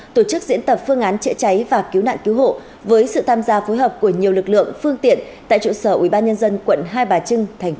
tham gia phối hợp của nhiều lực lượng phương tiện tại trụ sở ubnd quận hai bà trưng tp hà nội